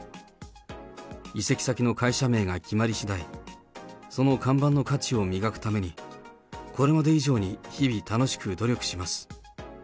移籍先の会社名が決まりしだい、その看板の価値を磨くために、これまで以上に、日々楽しく努力します。